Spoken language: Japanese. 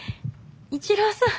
一郎さん。